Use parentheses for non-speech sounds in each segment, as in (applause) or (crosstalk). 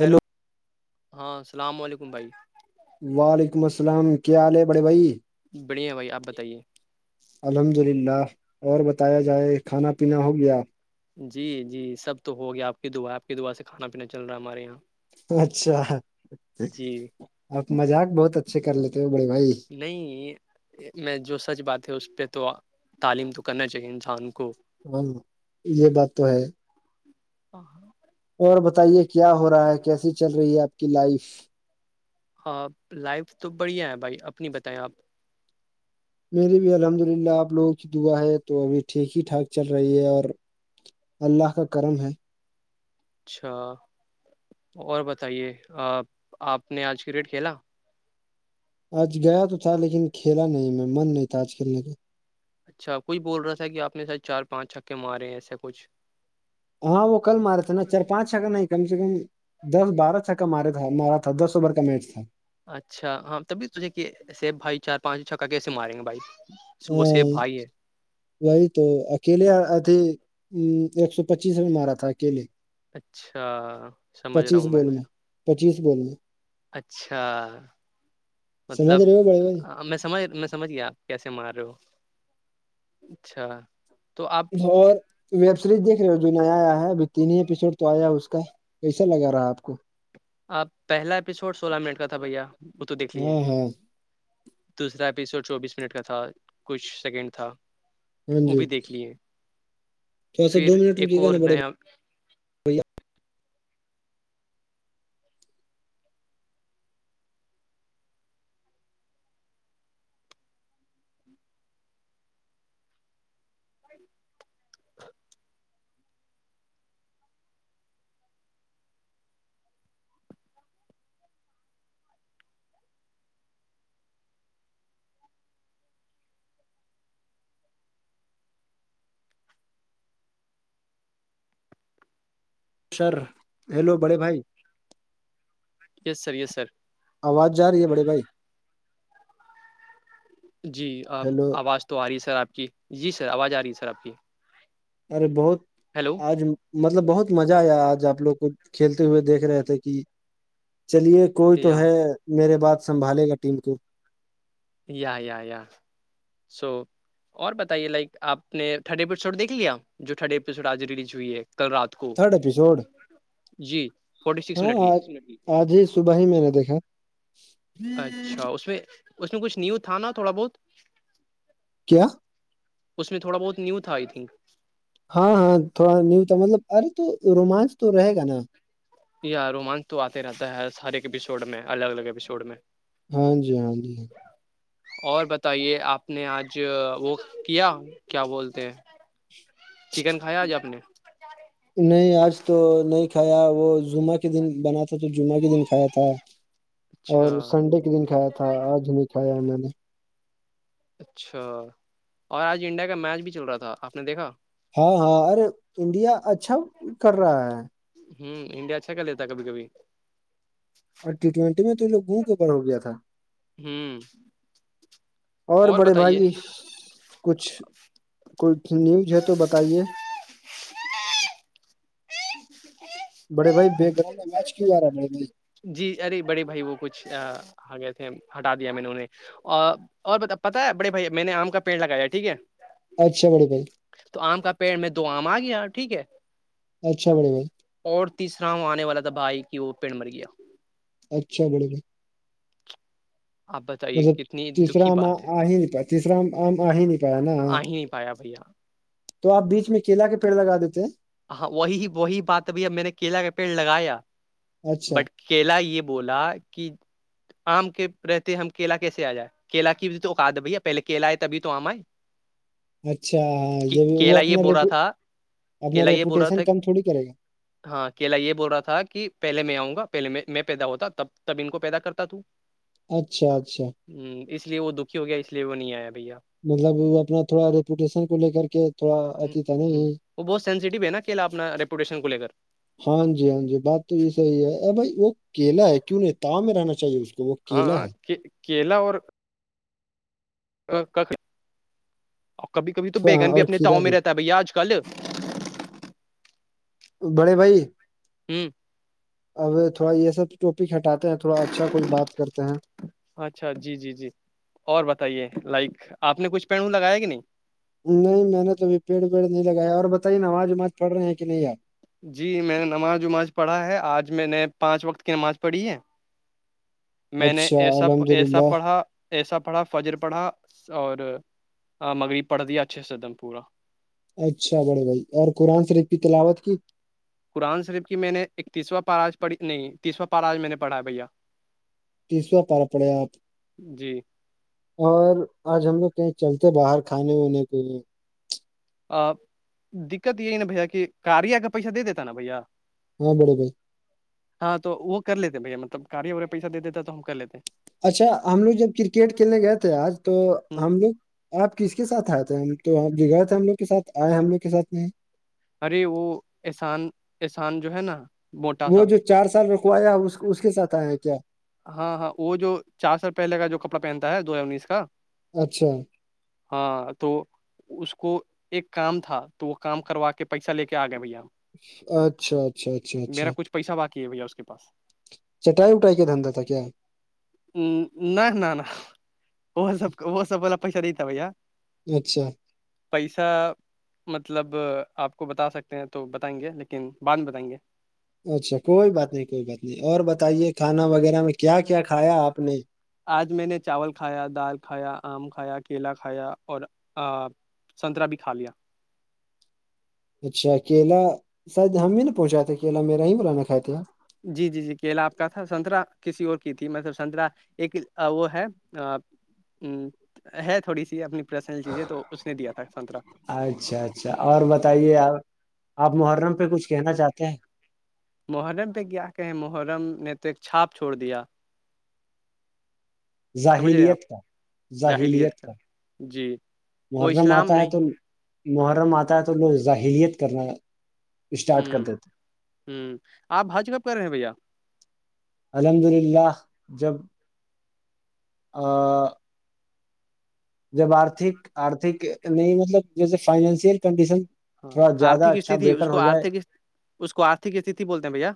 hello ہاں السلام علیکم بھائی وعلیکم السلام کیا حال ہے بڑے بھائی بڑھیا بھائی آپ بتائیے الحمد للہ اور بتایا جائے کھانا پینا ہو گیا جی جی سب تو ہو گیا آپ کی دا آپ کی دعا سے کھانا پینا چل رہا ہے ہمارے یہاں اچھا جی آپ مذاق بہت اچھے کر لیتے ہو بڑے بھائی نہیں میں جو سچ بات ہے اس پہ تو تعلیم تو کرنا چاہیے انسان کو ہن یہ بات تو ہے ا (unintelligible) اور بتائیے کیا ہو رہا ہے کیسی چل رہی ہے آپ کی لائف ہاں لائف تو بڑھیا ہے بھائی اپنی بتائیں آپ میری بھی الحمد للہ آپ لوگوں کی دعا ہے تو ابھی ٹھیک ہی ٹھاک چل رہی ہے اور اللہ کا کرم ہے اچھا اور بتائیے آ آپ نے آج کرکٹ کھیلا آج گیا تو تھا لیکن کھیلا نہیں میں من نہیں تھا آج کھیلنے کا اچھا کوئی بول رہا تھا کہ آپ نے شاید چار پانچ چھکے مارے ہیں ایسے کچھ ہاں وہ کل مارے تھا نا چار پانچ چھکے نہیں کم سے کم دس بارہ چھکا مارے تھا مارا تھا دس اوور کا میچ تھا اچھا ہاں تبھی سوچے کہ ایسے بھائی چار پانچ چھکا کیسے ماریں گے بھائی وہ سیب ہمم بھائی ہے وہی تو اکیلے ہاتھ ہی سو پچیس میں مارا تھا اکیلے اچھا سمجھ رہا پچیس ہوں میں بولوے پچیس بول میں اچھا سمجھ مطلب رہے ہو بڑے بھائی میں سمجھ میں سمجھ گئے آپ کیسے مار رہے ہو اچھا تو آپ اور ویب سیریز دیکھ رہے ہو جو نیا آیا ہے ابھی تین ہی ایپیسوڈ تو آیا ہے اس کا کیسا لگا رات کو آپ پہلا ایپیسوڈ سولہ منٹ کا تھا بھیا وہ تو دیکھ لیے ہاں ہاں دوسرا ایپیسوڈ چوبیس منٹ کا تھا کچھ سیکنڈ تھا ہاں وہ جی بھی دیکھ لیے ہے تھوڑا سا دو پھر منٹ ایک رکیے گا اور نا بڑے نیا بھیا (inaudible) سر ہیلو بڑے بھائی یس سر یس سر آواز جا رہی ہے بڑے بھائی جی ہیلو آواز تو آ رہی ہے سر آپ کی جی سر آواز آ رہی ہے سر آپ کی ارے بہت ہیلو آج مطلب بہت مزہ آیا آج آپ لوگ کو کھیلتے ہوئے دیکھ رہے تھے کہ چلیے کوئی تو یا ہے میرے باد سنبھالے گا ٹیم کو یا یا یا سو اور بتائیے لائک آپ نے تھرڈ اپیسوڈ دیکھ لیا جو تھرڈ اپیسوڈ آج ریلیز ہوئی ہے کل رات کو تھرڈ ایپسڈ جی فورٹی سکس ہاں منٹ کی اج آج ہی صبح ہی میں نے دیکھا اچھا اس میں اس میں کچھ نیو تھا نا تھوڑا بہت کیا اس میں تھوڑا بہت نیو تھا آئی تھنک ہاں ہاں تھوڑا نیو تھا مطلب ارے تو رومانچ تو رہے گا نا یا رومانچ تو آتے رہتا ہے ہر ایک اپپیسوڈ میں الگ الگ اپپیسوڈ میں ہاں جی ہاں جی اور بتائیے آپ نے آج وہ کیا کیا بولتے ہیں چکن کھایا آج آپ نے نہیں آج تو نہیں کھایا وہ زمعہ کے دن بنا تھا تو جمعہ کے دن کھایا تھا اچھا اور سنڈے کے دن کھایا تھا آج نہیں کھایا میں نے اچھا اور آج انڈیا کا میچ بھی چل رہا تھا آپ نے دیکھا ہاں ہاں ارے انڈیا اچھا کر رہا ہے ہوں انڈیا اچھا کر لیتا ہے کبھی کبھی اور ٹی ٹوینٹی میں تو یہ لوگ بڑ ہو گیا تھا ہوں اور بڑے بھائی کچھ کچھ نیوز ہے تو بتائیے بڑے بھائی بیک گراؤنڈ آواز کیوں آ رہا بڑے بھائی جی ارے بڑے بھائی وہ کچھ گئے تھے ہٹا دیا میں انہوں نے اور اور پتا ہے بڑے بھائی میں نے آم کا پیڑ لگایا ٹھیک ہے اچھا بڑی بھائی تو آم کا پیڑ میں دو آم آ گیا ٹھیک ہے اچھا بڑے بائی اور تیسرا وہ آنے والا تھا بھائی کہ وہ پیڑ مر گیا اچھا بڑے بھ آپ بتائیے مطب کتنی دکھی تیسرام بات ہے آ ہی نہیں پایا تیسرام آ ہی نہیں پایا نا آ ہی نہیں پایا بھیا تو آپ بیچ میں کیلا کے پیڑ لگا دیتے ہیں ہاں وہی وہی بات اب اب میں نے کیلا کا پیڑ لگایا اچھا بٹ کیلا یہ بولا کہ آم کے رہتے ہم کیلا کیسے آ جائے کیلا کی بھی تو اقات ہے بھیا پہلے کیلا ہے تبھی تو آام آئے اچھا ہاں کہ جب وہ کیلا یہ اپنا بول رپ رہا تھا کیلا یہ بول رہا تھا ہاں کیلا یہ بول رہا تھا کہ پہلے میں آؤں گا پہلے میں پیدا ہوتا تب تب ان کو پیدا کرتا تووں اچھا اچھا ہ اس لیے وہ دکھی ہو گیا اس لیے وہ نہیں آیا بھیا مطلب اپنا تھوڑا ریپوٹیشن کو لے کر کے تھوڑا ہ اتی تھا ہ نہیں وہ بہت سینسسیٹیو ہے نا کیلا اپنا ریپوٹیشن کو ل کر ہاں جی ہاں جی بات تو یہ صحی ہے بائی وہ کیلا ہے کیوں نہیں ت میں رہنا چاہیے اس کو وہ ہاں کیلا ہے کیلا اور کبھی کبھی تو ہاں بیگن بھی اور اپنے کھیرا تاؤں میں بھی رہتا ہے بھیا آج کل بڑے بھائی ہوں اب تھوڑا یہ سب ٹاپک ہٹاتے ہیں تھوڑا اچھا کوئی بات کرتے ہیں اچھا جی جی جی اور بتائیے لائک آپ نے کچھ پڑوں لگایا کہ نہیں نہیں میں نے تو ابھی پیڑ ویڑ نہیں لگایا اور بتائیے ن آواز وماز پڑ رہے ہیں کہ نہیںیپ جی میں نے نماز وماز پڑھا ہے آج میں نے پانچ وقت کی نماز پڑھی ہے میں نے اچھا ایسا الحمد ایسا للہ پڑھا ایسا پڑھا فجر پڑھا اور مغرب پڑھ دیا اچھے سے عدم پورا اچھا بڑے بھائی اور قرآن شریفی تلاوت کی قرآن صرف کی میں نے ایک تیسواں پاراج پڑھی نہیں تیسواں پاراج میں نے پڑھا ہے بھیا تیسوا پارا پڑے آپ جی اور آج ہم لوگ کہیں چلتے باہر کھانے ونے کے لیے ا دقت یہی نا بھیا کہ کاریا کا پیسہ دے دیتا نا بھیا ہاں بیڑے بھائی ہاں تو وہ کر لیتے بھیا مطلب کاریی وغیرہ پیسہ د دیتا تو ہم کر لیتے ہیں اچھا ہم لوگ جب کرکٹ کھیلنے گئے تھے آج تو ہ ہم لوگ آپ کس کے ساتھ آئے تھے ہم تو آپ ج گئے تھے ہم لوگ کے ساتھ آئے ہم لوگ کے ساتھ نہیں ارے وہ احسان احسان جو ہے نا موٹا سا وہ جو چار سال رکوایا اس کے ساتھ آیا کیا ہاں ہاں وہ جو چار سال پہلے کا جو کپڑا پہنتا ہے دو ہزار انیس کا اچھا ہاں تو اس کو ایک کام تھا تو وہ کام کروا کے پیسہ لے کے آ گئے بھیا اچھا اچھا اچھا اچھا میرا کچھ پیسہ باقی ہے بھیا اس کے پاس چٹائی وٹائی کیا کا دندہ تھا کیا ہے نہ نہ نہ وہ سب وہ سب والا پیسہ دیتاب اچھا پیسہ (unintelligible) مطلب آپ کو بتا سکتے ہیں تو بتائیں گے لیکن بعد میں بتائیں گے اچھا کوئی بات نہیں کوئی بات نہیں اور بتائیے کھانا وغیرہ میں کیا کیا کھایا آپ نے آج میں نے چاول کھایا دال کھایا آم کھایا کیلا کھایا اور سنترہ بھی کھا لیا اچھا کیلا ساید ہم ہی نہا پہنچاتے کیلا میرا ہی بولانا کھائے تھے آپ جی جی جی کیلا آپ کا تھا سنترہ کسی اور کی تھی مطلب سنترہ ایک وہ ہے ہے تھوڑی سی اپنی پرسنل چیزیں تو اس نے دیا تھا سنترا اچھا اچھا اور بتائیے آپ محرم پہ کچھ کہنا چاہتے ہیں محرم پہ کیا کہیں محرم نے تو ایک چھاپ چھوڑ دیا سمجھ رہے ہیں آپ زااہلیت کا زاہلیت کا جی وہ محرم اسلام آتا ہے تو نہیں محرم آتا ہے تو لو ظاہریت کرنا اسٹارٹ کر ہوں دیتے ہوں آپ حج کب کر رہے ہیں بھیا الحمد للہ جب آ جب آرتھک آرتھک نہیں مطلب جیسے فائنینشل کنڈیشن ہاں تھوڑا زیادہ آرتک استھ اچھا اس بیٹر کو ہو جائے آرتک اس کو آرھک استھتی بولتے ہیں بھیا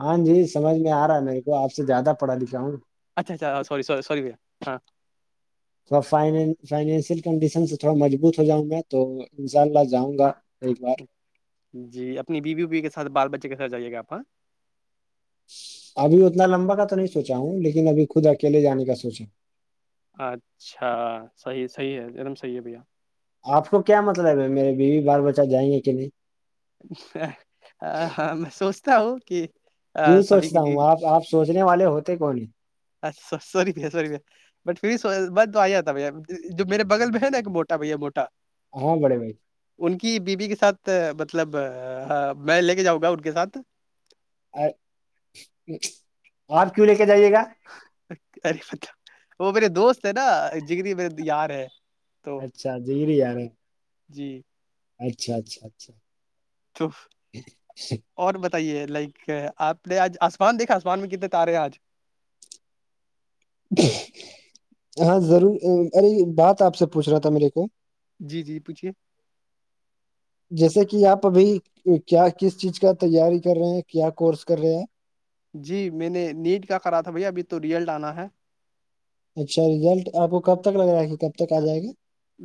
ہاں جی سمجھ میں آ رہا ہے میرے کو آپ سے زیادہ پڑھا لکھا ہوں اچھا اچھا س س سییا ہاں (inaudible) تھ فائنینشیل کنڈیشن سے تھوڑا مجبوط ہو جاؤں میں تو انشاء اللہ جاں گا ایک بار جی اپنی بیو بی ووی کے ساتھ بال بچے کے ساتھ جائیے گا آپاں ابھی اتنا لمبا کا تو نہیں سوچا ہوں لیکن ابھی خود اکیلے جانے کا سوچیں اچھا صحیح صحیح ہے ایک دم صحیح ہے بھیا آپ کو کیا مطلب ہے میرے بیوی بار بچہ جائیں گے کہ نہیں ہاں میں سوچتا ہوں کہ کیوں سبھی کی سوچتا بھی ہوں آپ آپ سوچنے والے ہوتے کون سوری پہ سی پہ بٹ پھر ب تو آ جاتا بھیا جو میرے بغل میں ہے نا ایک موٹا بھیا موٹا ہاں بڑے بھائی ان کی بیوی کے ساتھ مطلب میں لے کے جاؤں گا ان کے ساتھ آپ کیوں لے کے جائیے گا اے وہ میرے دوست ہے نا جکنی میرے یار ہے تو اچھا جییران جی اچھا اچھا اچھا چوف اور بتائیے لائک آپ نے آج آسمان دیکھا آسمان میں کتنے تارے ہیں آج ہاں ضرور ارے بات آپ سے پوچھ رہا تھا میرے کو جی جی پوچھیے جیسے کہ آپ ابھی کیا کس چیز کا تیاری کر رہے ہیں کیا کورس کر رہے ہیں جی میں نے نیٹ کا کرا تھا بھیا ابھی تو ریئلٹ آنا ہے اچھا رزلٹ آپ کو کب تک لگ رہائے ہے گ کب تک آ جائے گا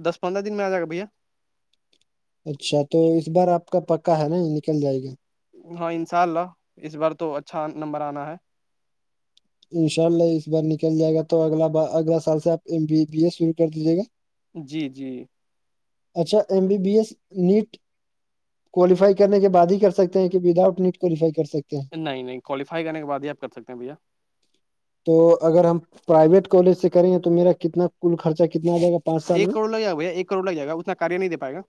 دس پندرہ دن میں آ جائے گا بھیا اچھا تو اس بار آپ کا پکا ہے نا یہ نکل جائے گی ہاں ان شاء اللہ اس بار تو اچھا نمبر آنا ہے انشاء اللہ اس بار نکل جائے گا تو اگ بار اگلا سال سے آپ ایم بی بی اے شروع کر دیجیے گا جی جی اچھا M B B S NEET کوالیفائینے کے بع ہی کر سک ہیں کہ وداؤٹ نٹ کوالیفائی کر سکتے ہیں نہیں نہیں کوالیفائی کرنے کے بعد ہی آپ کر سکتے ہیں بھیا تو اگر ہم پرائیویٹ کالج سے کریں گے تو میرا کتنا کل خرچہ کتنا آ جائے گا پانچ سال ایک میں کروڑ لگائے گاھیا ایک کروڑ لگ جائےا اتنا کاار نہیں دے پائے گا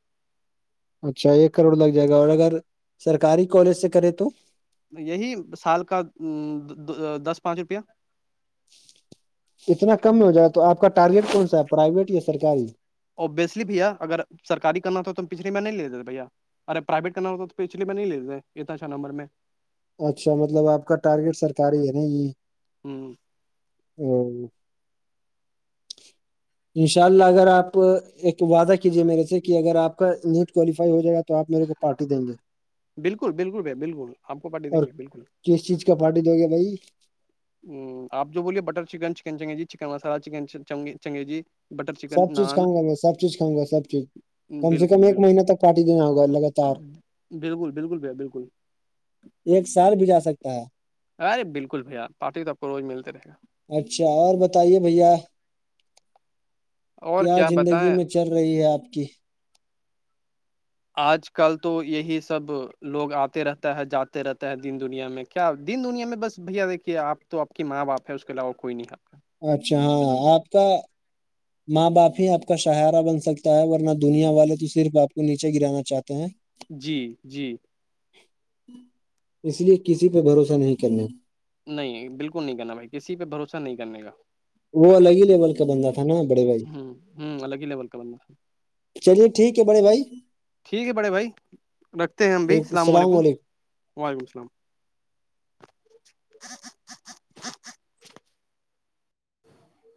اچھا ایک کروڑ لگ جائے گا اور اگر سرکاری کالج سے کرے تو یہی سال کا دس پانچ روپیہ اتنا کم میں ہو جائے تو آپ کا ٹارگیٹ کون سا ہے پرائیویٹ یا سرکاری ابیسلی بھیھیا اگر سرکاری کرنا تھا تو ہم پچھلیے میں نہیںے دیتے بھیا ارے پرائیویٹ کا نام ہو تو پچھے ب نہیں لےتےے اتناچا نمبر میں اچھا مطلب آپ کا ٹارگیٹ سرکاری ہے نا یہ ہ او انشاء اللہ اگر آپ ایک وعدہ کیجیے میرے سے کہ اگر آپ کا نیٹ کوالیفائی ہو جائے گا تو آپ میرے کو پارٹی دیں گے بالکل بالکل بھ بالکل آپ کو پارٹی اور دیں گے بالکل کس چیز کا پارٹی د گے بھائی آپ جو بولیے بٹر چکن چکن چنگی جی چکن مصالحہ چکن چنگی جی سب چیز کھاؤںا میں سب چیز کاؤںا سب چیز کم سے کم بالکل ایک بالکل مہینہ تک پارٹی دینا ہوگا لگاتار بالکل بالکل بھیا بالکل ایک سال بھی جا سکتا ہے ارے بالکل بھیا پارٹی تو آپ کو روز ملتے رہے گا اچھا اور بتائیے بھیا اور کیا زندگی بتائیں میں چل رہی ہے آپ کی آج کل تو یہی سب لوگ آتے رہتا ہے جاتے رہتا ہے دین دنیا میں کیا دین دنیا میں بس بھیا دیکھیے آپ تو آپ کی ماں باپ ہے اس کے علاوہ کوئی نہیں آپ اچھا ہاں آپ کا ماں باپ ہی آپ کا ساہارا بن سکتا ہے ورنہ دنیا والے تو صرف آپ کو نیچے گرانا چاہتے ہیں جی جی اس لیے کسی پہ بھروسہ نہیں کرنا نہیں بالکل نہیں کرنا بھائی کسی پہ بھروسہ نہیں کرنے کا وہ الگ ہی لیول کا بندہ تھا ہ نا بڑے ہوں ہ الگ ہی لیول کا بننا تھا چلیے ٹھیک ہے بڑے بھائی ٹھیک ہے بڑے بھائی رکھتے ہیں ہم بھائی السلام علیکم وعلیکم السلام